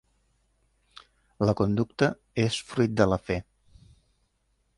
La conducta és fruit de la fe.